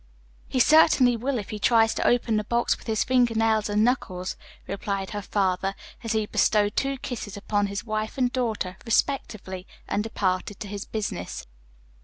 "He certainly will if he tries to open the box with his finger nails and knuckles," replied her father, as he bestowed two kisses upon his wife and daughter, respectively, and departed to his business.